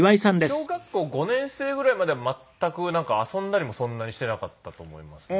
小学校５年生ぐらいまでは全く遊んだりもそんなにしてなかったと思いますね。